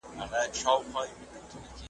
چي پر معصومو جنازو مي له شیطانه سره .